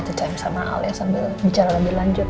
ya spend quality time sama al ya sambil bicara lebih lanjut